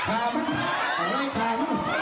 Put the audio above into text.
อันนี้เป็นทางดี